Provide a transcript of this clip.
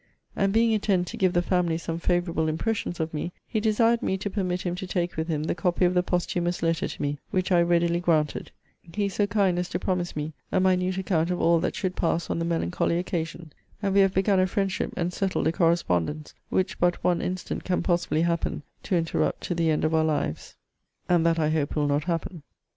And being intent to give the family some favourable impressions of me, he desired me to permit him to take with him the copy of the posthumous letter to me; which I readily granted. He is so kind as to promise me a minute account of all that should pass on the melancholy occasion. And we have begun a friendship and settled a correspondence, which but one incident can possibly happen to interrupt to the end of our lives. And that I hope will not happen.